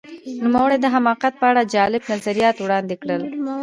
نوموړي د حماقت په اړه جالب نظریات وړاندې کړل.